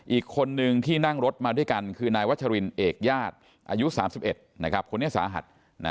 อีกคนนึงที่นั่งรถมาด้วยกันคือนายวัชรินเอกญาติอายุ๓๑คนนี้สาหัส